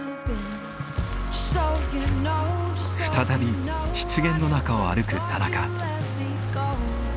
再び湿原の中を歩く田中。